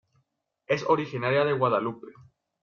Es originaria de Guadalupe.